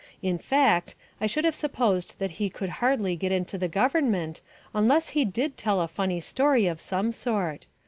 In fact, I should have supposed that he could hardly get into the Government unless he did tell a funny story of some sort.